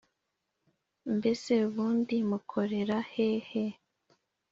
mbese ubundi mukorera hehe